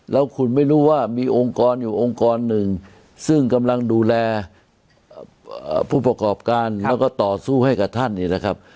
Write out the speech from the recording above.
แล้วคุณไม่รู้ว่ามีองค์กรอยู่องค์กรหนึ่งซึ่งกำลังดูแลผู้ประกอบการแล้วก็ต่อสู้ให้กับท่านเนี่ยนะครับ